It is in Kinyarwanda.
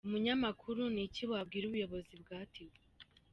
Umunyamakuru: Ni iki wabwira ubuyobozi bwa Tigo?.